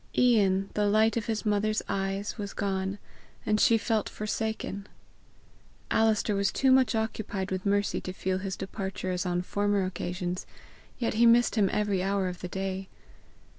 Ian, the light of his mother's eyes, was gone, and she felt forsaken. Alister was too much occupied with Mercy to feel his departure as on former occasions, yet he missed him every hour of the day.